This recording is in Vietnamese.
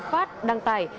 phát đăng tải